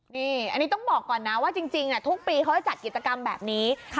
นี่อันนี้ต้องบอกก่อนนะว่าจริงทุกปีเขาจะจัดกิจกรรมแบบนี้